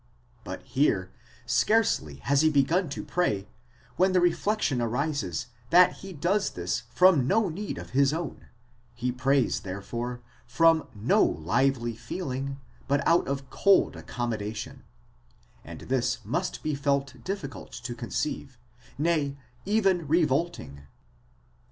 4? But, here, scarcely has he begun to pray when the reflection arises that he does this from no need of his own; he prays therefore from no lively feeling, but out of cold accommodation, and this must be felt difficult to conceive, nay, even revolting.